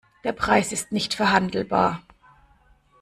Der Preis ist nicht verhandelbar.